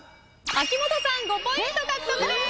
秋元さん５ポイント獲得です。